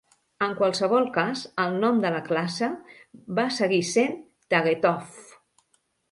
En qualsevol cas, el nom de la classe va seguir sent "Tagetthoff".